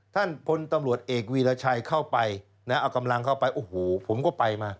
ท่านพลตำรวจเอกวีรชัยเข้าไปนะเอากำลังเข้าไปโอ้โหผมก็ไปมา